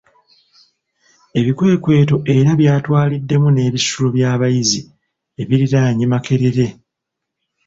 Ebikwekweto era bitwaliddemu n'ebisulo by'abayizi ebiriraanye Makerere.